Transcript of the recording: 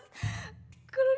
kalau dipencet siapa ya